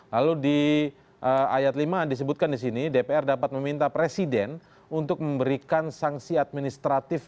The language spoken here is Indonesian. lalu di ayat lima disebutkan di sini dpr dapat meminta presiden untuk memberikan sanksi administratif